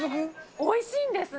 おいしいんですね。